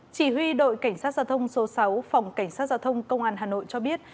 chỉ huy đội cảnh sát giao thông số sáu phòng cảnh sát giao thông công an hà nội cho biết